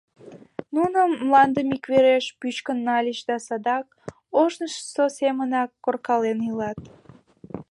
Нуно мландым иквереш пӱчкын нальыч да садак, ожнысо семынак, коркален илат.